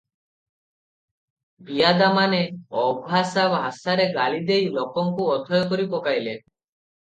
ପିଆଦାମାନେ ଅଭାଷା ଭାଷାରେ ଗାଳିଦେଇ ଲୋକଙ୍କୁ ଅଥୟ କରି ପକାଇଲେ ।